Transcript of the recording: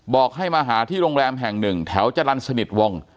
บอกให้มาหาที่โรงแรมแห่งหนึ่งแถวจรรย์สนิทวง